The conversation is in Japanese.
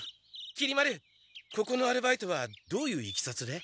きり丸ここのアルバイトはどういういきさつで？